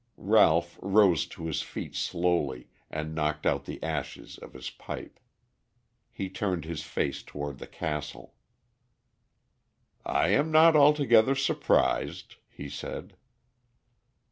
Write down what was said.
Ralph rose to his feet slowly, and knocked out the ashes of his pipe. He turned his face toward the castle. "I am not altogether surprised," he said.